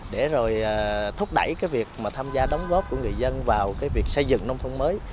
để rồi thúc đẩy việc tham gia đóng góp của người dân vào việc xây dựng nông thôn mới